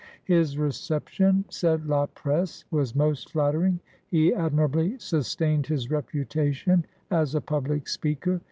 " His reception/' AN AMERICAN BONDMAN. 63 said La Presse, " was most flattering. He admirably sustained his reputation as a public speaker.